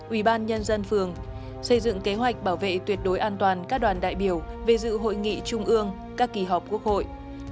ủy ban nhân dân phường xây dựng kế hoạch bảo vệ tuyệt đối an toàn các đoàn đại biểu về dự hội nghị trung ương các kỳ họp quốc hội